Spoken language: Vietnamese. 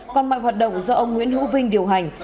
còn mọi hoạt động do ông nguyễn hữu vinh điều hành